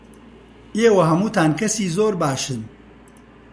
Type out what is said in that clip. ئێوە هەمووتان کەسی زۆر باشن.